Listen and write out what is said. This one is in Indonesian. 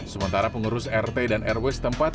sementara pengurus rt dan rw setempat